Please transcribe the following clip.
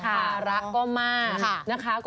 หารักก็มาก